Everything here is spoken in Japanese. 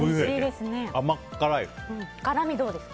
辛みはどうですか？